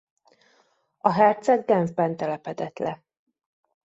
A herceg Genfben telepedett le.